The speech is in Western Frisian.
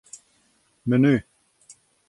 Menu.